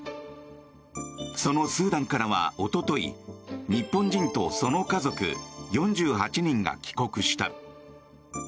そのスーダンからはおととい日本人とその家族４８人が帰国した。